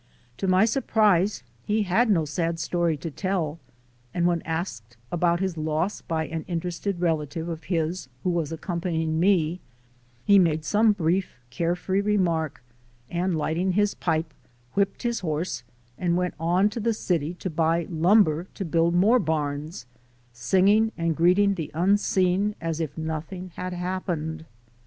To my surprise, he had no sad story to tell, and when asked about his loss by an interested relative of his who was accompanying me, he made some brief, care free remark and, lighting his pipe, whipped his horse and went on to the city to buy lumber to build more barns, singing and greeting the unseen as if nothing had happened.